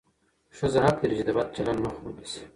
ښځه حق لري چې د بد چلند مخه ونیسي.